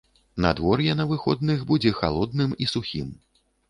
Надвор'е на выходных будзе халодным і сухім.